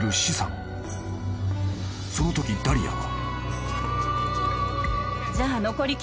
［そのときダリアは］